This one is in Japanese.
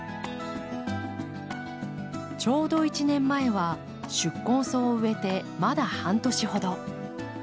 ちょうど１年前は宿根草を植えてまだ半年ほど。